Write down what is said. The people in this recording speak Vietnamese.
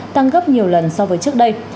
tăng gấp nhiều lần so với trước đây